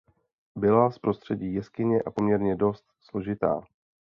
Byla z prostředí jeskyně a poměrně dost složitá.